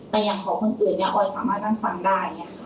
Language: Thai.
แต่อย่างของคนอื่นเนี่ยพอสามารถนั่งฟังได้